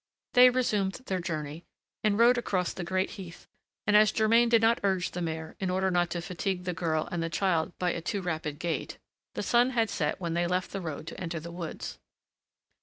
They resumed their journey, and rode across the great heath, and as Germain did not urge the mare, in order not to fatigue the girl and the child by a too rapid gait, the sun had set when they left the road to enter the woods.